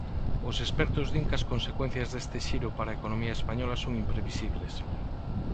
Os expertos din que as consecuencias deste xiro para a economía española son imprevisibles.